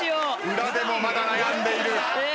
裏でもまだ悩んでいる。え？